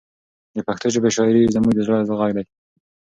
د پښتو ژبې شاعري زموږ د زړه غږ دی.